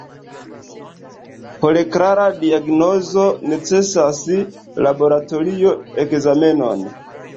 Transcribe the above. Por klara diagnozo necesas laboratoria ekzameno.